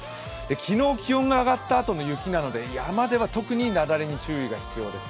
昨日、気温が上がったあとの雪なので山では注意が必要ですね。